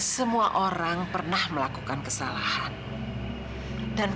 semua orang pernah melakukan kesalahan besar seperti itu